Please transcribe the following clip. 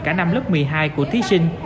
cả năm lớp một mươi hai của thí sinh